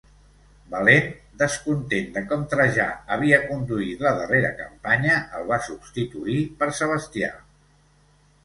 Valent, descontent de com Trajà havia conduït la darrera campanya, el va substituir per Sebastià.